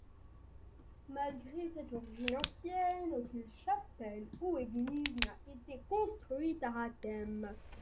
Malgré cette origine ancienne, aucune chapelle ou église n'a été construite à Hattem.